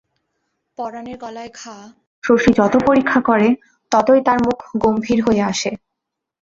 পরানের গলায় ঘা শশী যত পরীক্ষা করে ততই তার মুখ গম্ভীর হইয়া আসে।